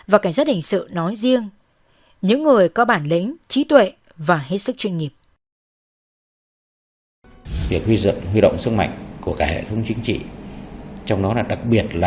và cảnh sát hình sự nói riêng những người có bản lĩnh trí tuệ và hết sức chuyên nghiệp